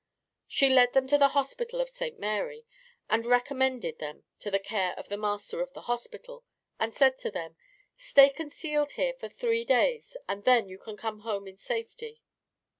She led them to the Hospital of Saint Mary, and recommended them to the care of the Master of the hospital, and said to them, "Stay concealed here for three days, and then you can come home in safety."